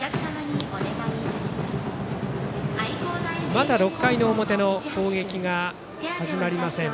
まだ６回の表の攻撃が始まりません。